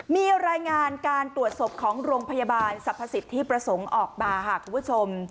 มีรายงานการตรวจศพของโรงพยาบาลสรรพสิทธิประสงค์ออกมาค่ะคุณผู้ชม